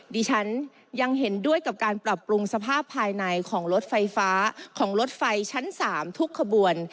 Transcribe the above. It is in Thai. ดิฉันยังเห็นด้วยกับการปรับปรุงสภาพภายในของรถไฟฟ้าของรถไฟชั้น๓ทุกขบวน